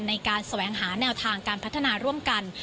ในการแสวงหาแนวทางการพัฒนาร่วมกัน